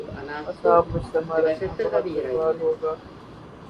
اعصاب مجتمع رکھنا بہت دشوار ہو گا۔